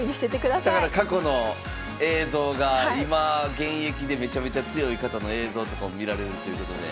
だから過去の映像が今現役でめちゃめちゃ強い方の映像とかを見られるっていうことで。